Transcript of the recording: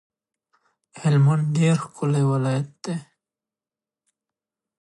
هلمند ډیر ښکلی ولایت دی